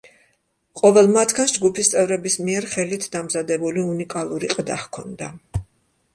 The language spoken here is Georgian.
ყოველ მათგანს ჯგუფის წევრების მიერ ხელით დამზადებული უნიკალური ყდა ჰქონდა.